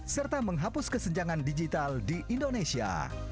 serta menghapus kesenjangan digital di indonesia